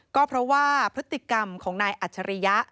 ก็เพราะว่าพฤติกรรมของนายอัจฉริยะ